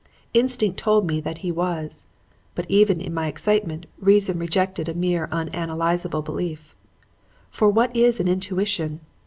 Instinct told me that he was. But, even in my excitement, reason rejected a mere unanalyzable belief. For what is an intuition?